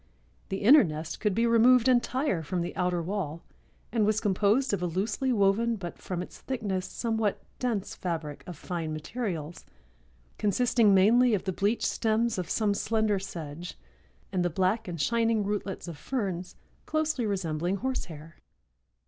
The inner nest could be removed entire from the outer wall, and was composed of a loosely woven but, from its thickness, somewhat dense fabric of fine materials, consisting mainly of the bleached stems of some slender sedge and the black and shining rootlets of ferns, closely resembling horsehair.